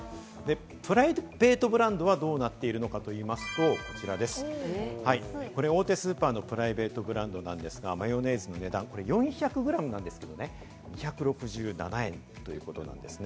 プライベートブランドはどうなっているのかといいますと、大手スーパーのプライベートブランドなんですが、マヨネーズの値段は４００グラムなんですけど２６７円です。